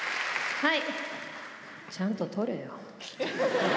はい。